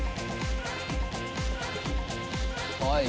はい。